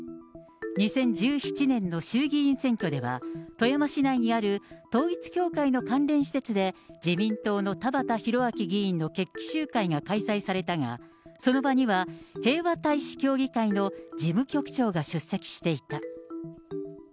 ２０１７年の衆議院選挙では、富山市内にある統一教会の関連施設で、自民党の田畑裕明議員の決起集会が開催されたが、その場には平和大使協議会の事務局長が出席していた。